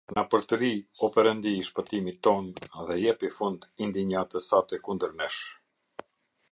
Na përtëri, o Perëndi i shpëtimit tonë, dhe jepi fund indinjatës sate kundër nesh.